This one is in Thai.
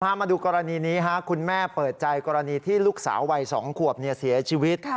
มาดูกรณีนี้คุณแม่เปิดใจกรณีที่ลูกสาววัย๒ขวบเสียชีวิต